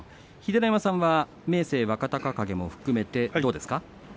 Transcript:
秀ノ山さんは明生若隆景も含めてどうですか？